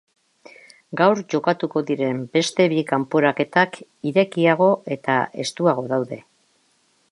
Gaur jokatuko diren beste bi kanporaketak irekiago eta estuago daude.